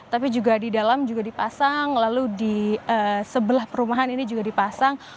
tapi juga di dalam juga dipasang lalu di sebelah perumahan ini juga dipasang